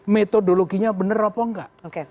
metodologinya benar apa enggak